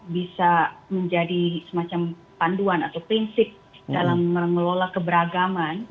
bisa menjadi semacam panduan atau prinsip dalam mengelola keberagaman